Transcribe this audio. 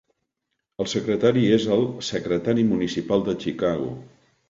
El secretari és el Secretari municipal de Chicago.